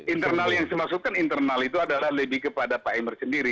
internal yang saya maksudkan internal itu adalah lebih kepada pak emir sendiri